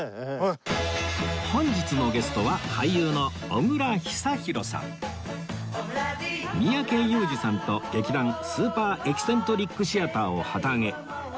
本日のゲストは三宅裕司さんと劇団スーパー・エキセントリック・シアターを旗揚げ